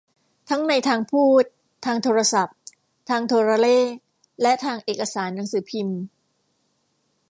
ทั้งในทางพูด ทางโทรศัพท์ ทางโทรเลข และทางเอกสารหนังสือพิมพ์